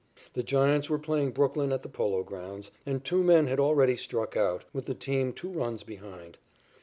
The Giants were playing Brooklyn at the Polo Grounds, and two men had already struck out, with the team two runs behind.